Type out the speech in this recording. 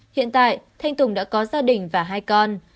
hiện tại thanh tùng đã có gia đình và hai con